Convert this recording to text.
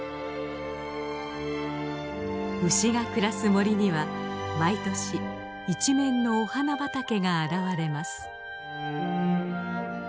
牛が暮らす森には毎年一面のお花畑が現れます。